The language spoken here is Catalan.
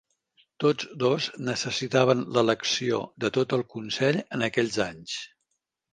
Tots dos necessitaven l"elecció de tot el consell en aquells anys.